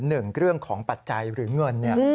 หนึ่งเรื่องของปัจจัยหรือเงินเนี่ย